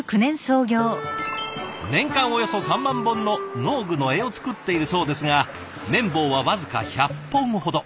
年間およそ３万本の農具の柄を作っているそうですが麺棒は僅か１００本ほど。